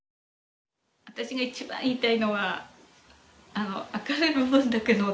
私が一番言いたいのは明るい部分だけの夫じゃなかった。